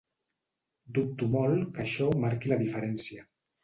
Dubto molt que això marqui la diferència.